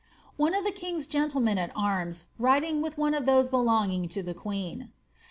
One of the king^s gentlemen at arms riding with one of tliose belonging to the queen.